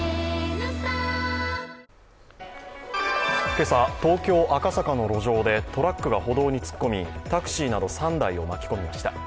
今朝、東京・赤坂の路上でトラックが歩道に突っ込みタクシーなど３台を巻き込みました。